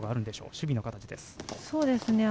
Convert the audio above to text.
守備の形です。